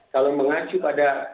kalau mengacu pada